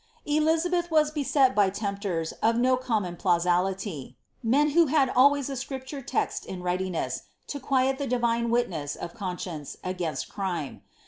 Elizabeih was beset by tempter* of no common plausibility; who had always a scripture text in readiness, to quiel the divine wi of conscience against crime.